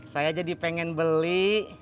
saya jadi pengen beli